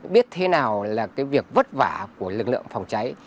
biết thế nào là cái việc vất vả của lực lượng phòng cháy